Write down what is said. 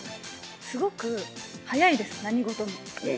すごく早いです、何事も。